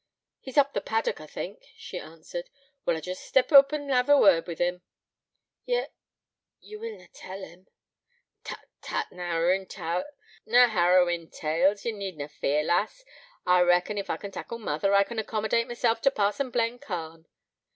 'He's up the paddock, I think,' she answered. 'Well, I'll jest step oop and hev a word wi' him.' 'Ye're ... ye will na tell him.' 'Tut, tut, na harrowin' tales, ye need na fear, lass. I reckon ef I can tackle mother, I can accommodate myself t' parson Blencarn.'